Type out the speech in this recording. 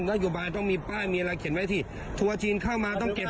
แล้วอยู่บ้านต้องมีป้ายมีอะไรเขียนไว้ที่ถั่วจีนเข้ามาต้องเก็บ